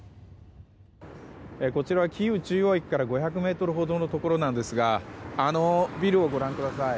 こちらはキーウ中央駅から５００ｍほどのところですがあのビルをご覧ください。